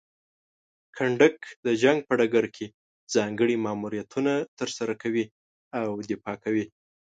کنډک د جنګ په ډګر کې ځانګړي ماموریتونه ترسره کوي او دفاع کوي.